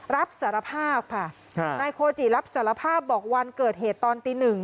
รับสารภาพค่ะนายโคจิรับสารภาพบอกวันเกิดเหตุตอนตีหนึ่ง